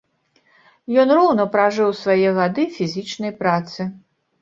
Ён роўна пражыў свае гады фізічнай працы.